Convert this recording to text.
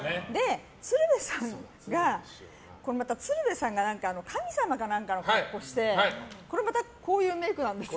鶴瓶さんがこれまた神様か何かの格好をしてこれまたこういうメイクなんです。